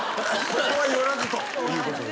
ここは寄らずと。